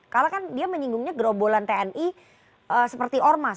kalau kan dia menyinggungnya gerobolan tni seperti ormas